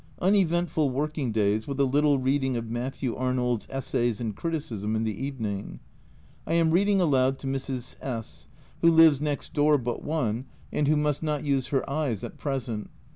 Uneventful working days, with a little reading of Matthew Arnold's Essays in Criticism in the evening. I am reading aloud to Mrs. St , who lives next door but one, and who A Journal from Japan 177 must not use her eyes at present.